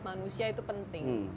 manusia itu penting